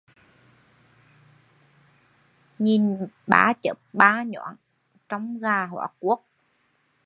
Nhìn ba chớp ba nháng trông gà hóa cuốc